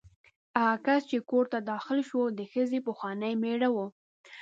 هغه کس چې کور ته داخل شو د ښځې پخوانی مېړه و.